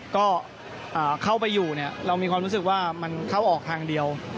ก็เข้าไปอยู่เรามีความรู้สึกว่ามันเข้าออกทางเดียว